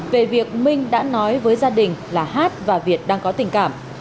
về việc minh đã nói với gia đình là hát và việt đang có tình cảm